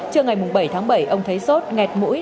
trưa ngày bảy tháng bảy ông thấy sốt ngẹt mũi